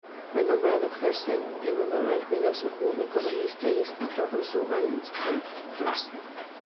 Fue nombrado Herzen en honor al filósofo, economista y escritor ruso Aleksandr Herzen.